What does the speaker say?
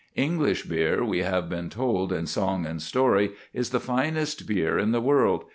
English beer, we have been told in song and story, is the finest beer in the world.